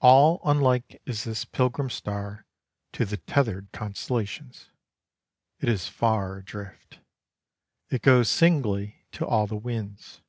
All unlike is this pilgrim star to the tethered constellations. It is far adrift. It goes singly to all the winds.